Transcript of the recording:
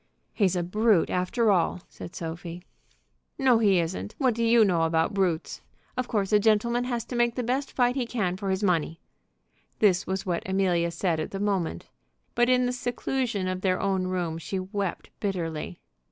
"He's a brute, after all!" said Sophie. "No, he isn't. What do you know about brutes? Of course a gentleman has to make the best fight he can for his money." This was what Amelia said at the moment; but in the seclusion of their own room she wept bitterly.